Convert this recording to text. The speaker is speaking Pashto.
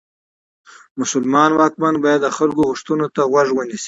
مسلمان واکمن باید د خلکو غوښتنو ته غوږ ونیسي.